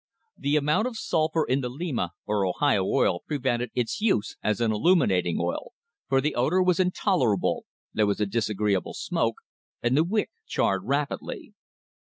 The amount of sulphur in the Lima or Ohio oil prevented its use as an illuminating oil, for the odour was intolerable, there was a disagreeable smoke, and the wick charred rapidly.